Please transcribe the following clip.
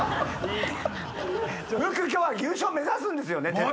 ムック今日は優勝目指すんですよね